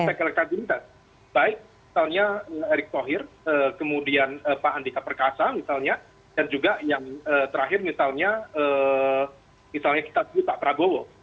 aspek elektabilitas baik misalnya erick thohir kemudian pak andika perkasa misalnya dan juga yang terakhir misalnya kita sebut pak prabowo